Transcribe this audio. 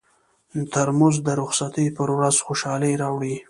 ترموز د رخصتۍ پر ورځ خوشالي راوړي.